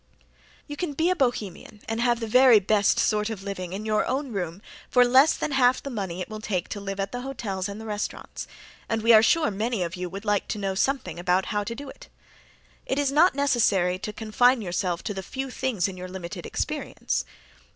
You can be a Bohemian and have the very best sort of living in your own room for less than half the money it will take to live at the hotels and restaurants, and we are sure many of you would like to know something about how to do it. It is not necessary to confine yourself to the few things in your limited experience.